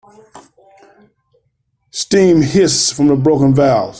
Steam hissed from the broken valve.